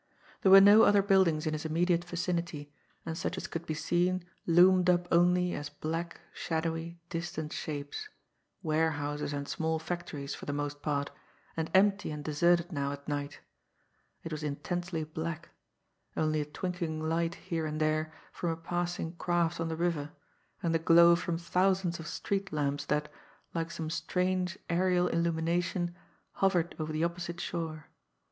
There were no other buildings in his immediate vicinity, and such as could be seen loomed up only as black, shadowy, distant shapes warehouses and small factories, for the most part, and empty and deserted now at night. It was intensely black only a twinkling light here and there from a passing craft on the river, and the glow from thousands of street lamps that, like some strange aerial illumination, hovered over the opposite shore.